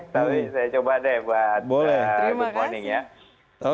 tapi saya coba deh buat good morning ya